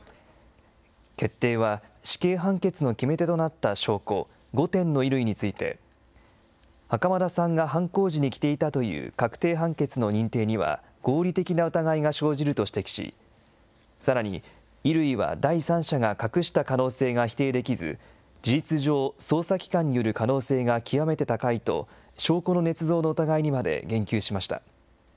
決定は、死刑判決の決め手となった証拠、５点の衣類について、袴田さんが犯行時に着ていたという確定判決の認定には合理的な疑いが生じると指摘し、さらに衣類は第三者が隠した可能性が否定できず、事実上、捜査機関による可能性が極めて高いと、証拠のねつ造の疑いにまで言及しました。